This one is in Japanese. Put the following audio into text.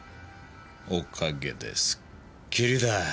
おかげですっきりだぁ。